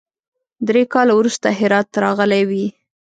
درې کاله وروسته هرات راغلی وي.